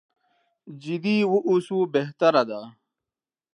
جدي واوسو بهتره ده.